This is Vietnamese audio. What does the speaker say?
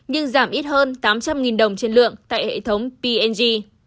nhưng giảm ít hơn tám trăm linh đồng trên lượng tại hệ thống p g